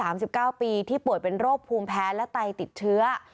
ให้กับแม่ที่อายุ๓๙ปีที่ปวดเป็นโรคภูมิแพ้และไตติดเชื้อ